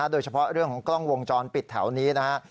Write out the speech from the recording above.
โดยเฉพาะเรื่องของกล้องวงจรปิดแถวนี้นะครับ